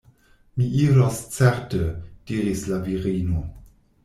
Mi iros certe, diris la virino.